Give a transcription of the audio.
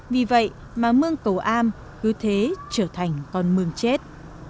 vì vậy mà mương cầu am cứ thế trở thành con mương chết